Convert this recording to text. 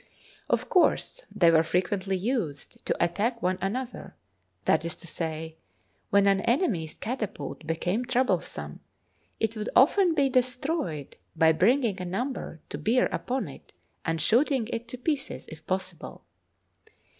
Of course they were frequently used to attack one an other — that is to say, when an enemy's catapult be came troublesome it would often be destroyed by bringing a number to bear upon it and shooting it to pieces, if possible.